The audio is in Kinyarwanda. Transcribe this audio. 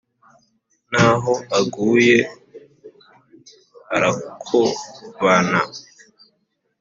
N’aho aguye arakobana.